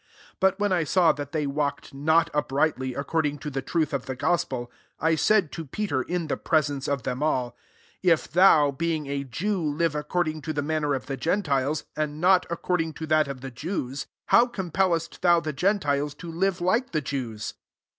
14 But when I saw that they walked not uprightly, according to the truth of the gospel, I_ said to Peter in the presence of them all, If thou, being a Jew, live according to the manner of the gentiles, and not according to that of the Jews, how compellest thou the gentiles to live like the Jews